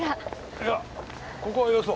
いやここはよそう。